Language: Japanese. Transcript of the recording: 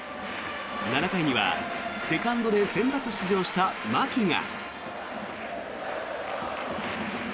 ７回にはセカンドで先発出場した牧が。